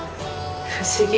不思議。